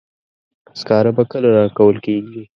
سکاره به کله راکول کیږي.